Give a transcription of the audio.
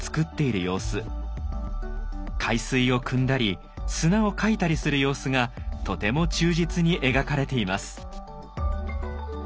海水をくんだり砂をかいたりする様子がとても忠実に描かれています。